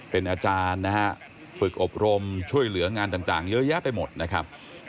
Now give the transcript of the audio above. เป็นอาจารย์นะฮะฝึกอบรมช่วยเหลืองานต่างเยอะแยะไปหมดนะครับ